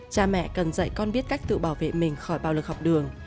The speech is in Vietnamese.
cha mẹ cần dạy con biết cách tự bảo vệ mình khỏi bạo lực học đường